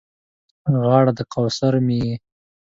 غاړه د کوثر مې یې